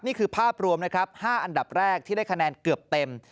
นี่คือภาพรวมนะครับ๕อันดับแรกที่ได้คะแนนเกือบเต็ม